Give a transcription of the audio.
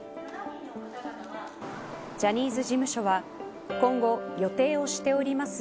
ジャニーズ事務所は今後、予定をしております